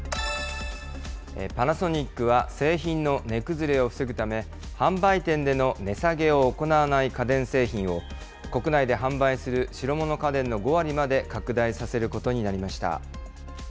パナソニックは製品の値崩れを防ぐため、販売店での値下げを行わない家電製品を、国内で販売する白物家電の５割まで拡大させることになりました。